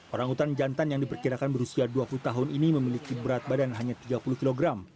orang utan jantan yang diperkirakan berusia dua puluh tahun ini memiliki berat badan hanya tiga puluh kg